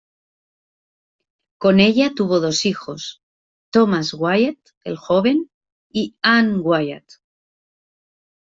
Con ella tuvo dos hijos: Thomas Wyatt el Joven y Anne Wyatt.